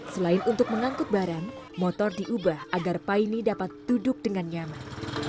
selain untuk mengangkut barang motor diubah agar paine dapat duduk dengan nyaman